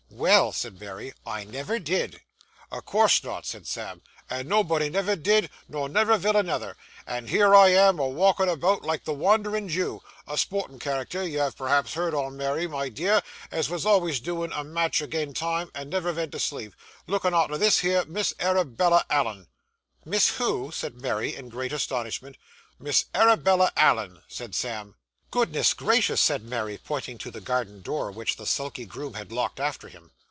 'Well,' said Mary, 'I never did!' 'O' course not,' said Sam, 'and nobody never did, nor never vill neither; and here am I a walkin' about like the wandering Jew a sportin' character you have perhaps heerd on Mary, my dear, as vos alvays doin' a match agin' time, and never vent to sleep looking arter this here Miss Arabella Allen.' 'Miss who?' said Mary, in great astonishment. 'Miss Arabella Allen,' said Sam. 'Goodness gracious!' said Mary, pointing to the garden door which the sulky groom had locked after him.